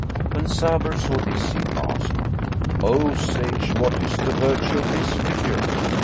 When Sabur[FN#4] saw this, he asked, "O sage, what is the virtue of this figure?"